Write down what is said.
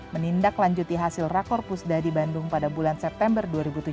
menindaklanjuti hasil rakor pusda di bandung pada bulan september dua ribu tujuh belas